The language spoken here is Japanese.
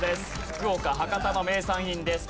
福岡博多の名産品です。